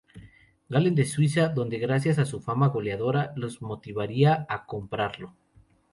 Gallen de Suiza, donde gracias a su fama goleadora, los motivaría a comprarlo.